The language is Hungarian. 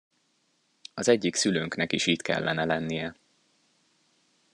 Az egyik szülőnknek is itt kellene lennie.